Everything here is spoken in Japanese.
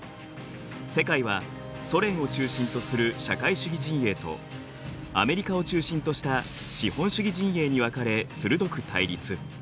世界はソ連を中心とする社会主義陣営とアメリカを中心とした資本主義陣営に分かれ鋭く対立。